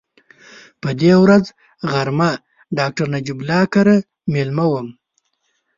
په دې ورځ غرمه ډاکټر نجیب الله کره مېلمه وم.